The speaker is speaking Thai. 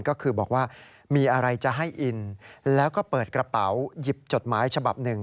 ก็คือบอกว่ามีอะไรจะให้อินแล้วก็เปิดกระเป๋าหยิบจดหมายฉบับหนึ่ง